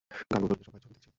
গাঙুর গলিতে সবাই ছবি দেখছে।